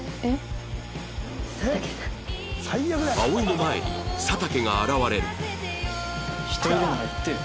葵の前に佐竹が現れる